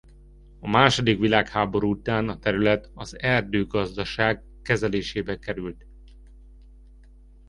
A második világháború után a terület az erdőgazdaság kezelésébe került.